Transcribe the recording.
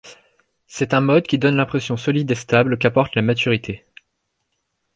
C'est un mode qui donne l'impression solide et stable qu'apporte la maturité.